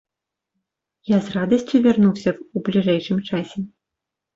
Я з радасцю вярнуўся б ў бліжэйшым часе.